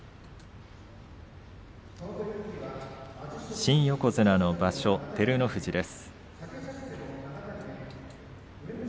新横綱の場所照ノ富士です。